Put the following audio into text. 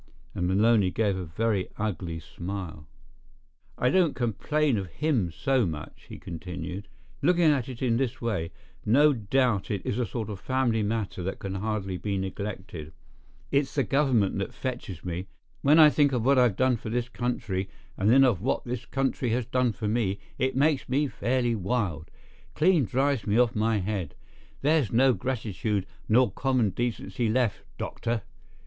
And Maloney gave a very ugly smile. "I don't complain of him so much," he continued. "Looking at it in his way, no doubt it is a sort of family matter that can hardly be neglected. It's the government that fetches me. When I think of what I've done for this country, and then of what this country has done for me, it makes me fairly wild—clean drives me off my head. There's no gratitude nor common decency left, doctor!"